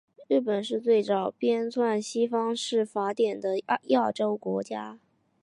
日本是最早编纂西方式法典的亚洲国家。